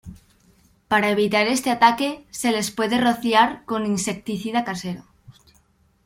Para evitar este ataque, se les puede rociar con insecticida casero.